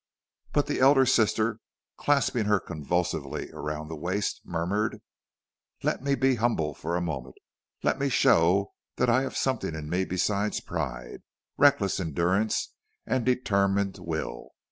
But the elder sister, clasping her convulsively around the waist, murmured: "Let me be humble for a moment; let me show that I have something in me besides pride, reckless endurance, and determined will.